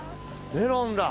メロンだ。